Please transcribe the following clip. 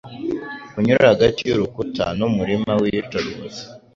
kunyura hagati y'urukuta n'umurima w'iyicarubozo